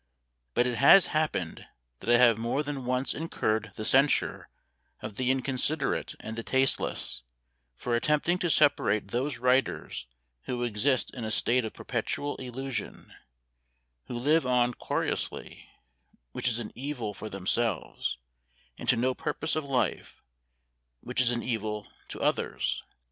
But it has happened that I have more than once incurred the censure of the inconsiderate and the tasteless, for attempting to separate those writers who exist in a state of perpetual illusion; who live on querulously, which is an evil for themselves, and to no purpose of life, which is an evil to others.